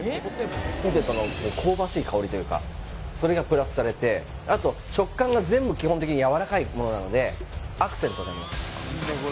ポテトの香ばしい香りというかそれがプラスされてあと食感が全部基本的にやわらかいものなのでアクセントになります